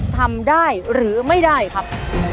ทำได้หรือไม่ได้ครับ